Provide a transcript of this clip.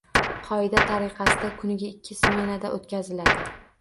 Qoida tariqasida, kuniga ikki smenada o'tkaziladi.